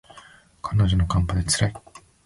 突然の寒波で辛い